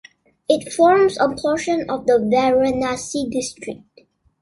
It forms a portion of the Varanasi district.